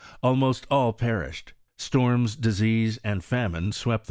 Almost all perished : storms, disease, and famine, swept tlrem w.